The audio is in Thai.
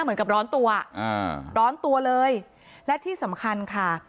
เหมือนกับร้อนตัวอ่าร้อนตัวเลยและที่สำคัญค่ะ